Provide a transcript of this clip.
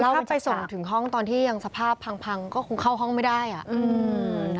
ถ้าไปส่งถึงห้องตอนที่ยังสภาพพังพังก็คงเข้าห้องไม่ได้อ่ะอืม